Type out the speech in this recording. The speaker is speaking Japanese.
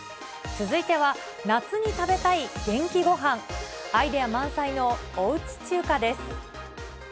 続いては、夏に食べたい元気ごはん、アイデア満載のおうち中華です。